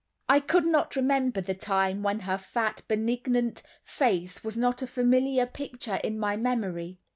I could not remember the time when her fat, benignant face was not a familiar picture in my memory.